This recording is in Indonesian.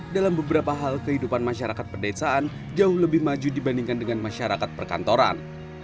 dalam beberapa hal kehidupan masyarakat perdesaan jauh lebih maju dibandingkan dengan masyarakat perkantoran